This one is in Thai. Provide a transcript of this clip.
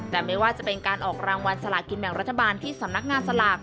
แต่ไม่ว่าจะเป็นการออกรางวัลสลากินแบ่งรัฐบาลที่สำนักงานสลาก